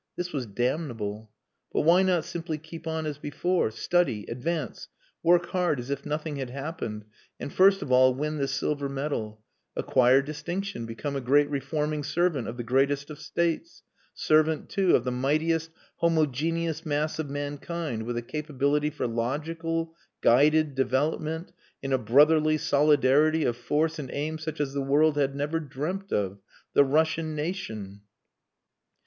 This was damnable. But why not simply keep on as before? Study. Advance. Work hard as if nothing had happened (and first of all win the Silver Medal), acquire distinction, become a great reforming servant of the greatest of States. Servant, too, of the mightiest homogeneous mass of mankind with a capability for logical, guided development in a brotherly solidarity of force and aim such as the world had never dreamt of... the Russian nation!